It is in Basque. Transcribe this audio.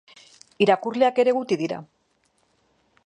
Irakurleak ere guti dira.